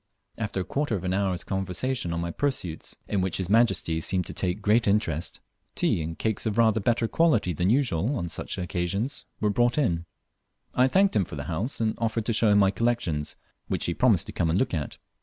After a quarter of an hour's conversation on my pursuits, in which his Majesty seemed to take great interest, tea and cakes of rather better quality than usual on such occasions were brought in. I thanked him for the house, and offered to show him my collections, which he promised to come and look at.